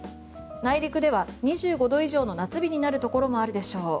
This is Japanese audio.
内陸では２５度以上の夏日になるところもあるでしょう。